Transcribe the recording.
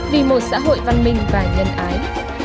vì một xã hội văn minh và nhân ái